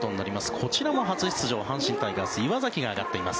こちらも初出場阪神タイガース、岩崎が上がっています。